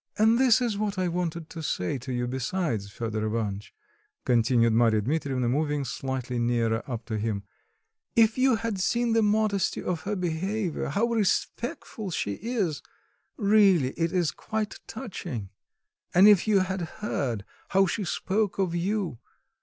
"And this is what I wanted to say to you besides, Fedor Ivanitch," continued Marya Dmitrievna, moving slightly nearer up to him, "if you had seen the modesty of her behaviour, how respectful she is! Really, it is quite touching. And if you had heard how she spoke of you!